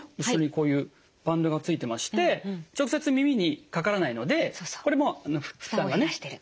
後ろにこういうバンドがついてまして直接耳にかからないのでこれも負担がね